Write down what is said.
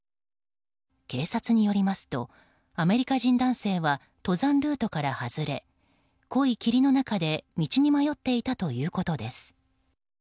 警察によりますとアメリカ人男性は登山ルートから外れ濃い霧の中で道に迷っていたということです。